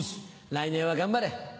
来年は頑張れ。